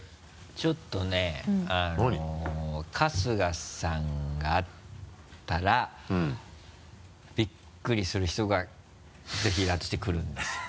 ちょっとねあの春日さんが会ったらびっくりする人がぜひらーとして来るんですよ。